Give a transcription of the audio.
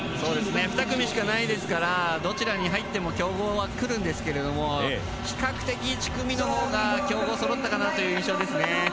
２組しかないですからどちらに入っても強豪は来るんですが比較的１組のほうが強豪がそろったなという感じです。